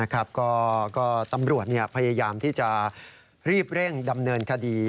ก็ตำรวจพยายามที่จะรีบเร่งดำเนินคดี